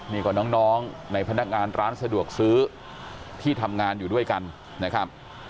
นี่ก็น้องในพนักงานร้านสะดวกซื้อที่ทำงานอยู่ด้วยกันนะครับ